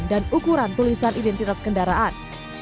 dan ukuran tulisan identitas kendaraan